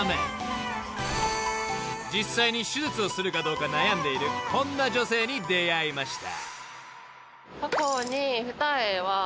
［実際に手術をするかどうか悩んでいるこんな女性に出会いました］